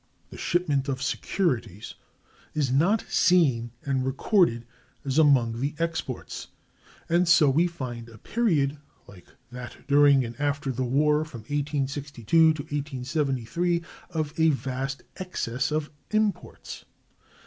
This shipment of securities is not seen and recorded as among the exports; and so we find a period, like that during and after the war, from 1862 to 1873, of a vast excess of imports.